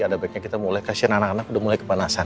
ada baiknya kita mulai kasihan anak anak udah mulai kepanasan